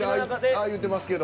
あ言ってますけど。